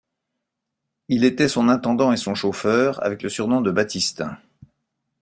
Il était son intendant et son chauffeur avec le surnom de Baptistin.